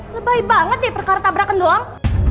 lebahi banget deh perkara tabrakan doang